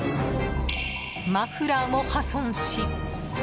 マフラーも破損し。